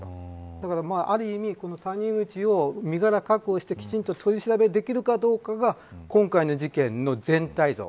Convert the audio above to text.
だから、ある意味谷口の身柄確保してきちんと取り調べできるがどうかが今回の事件の全体像。